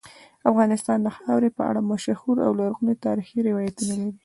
افغانستان د خاورې په اړه مشهور او لرغوني تاریخی روایتونه لري.